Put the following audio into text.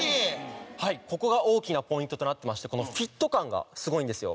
ここが大きなポイントとなってましてフィット感がすごいんですよ。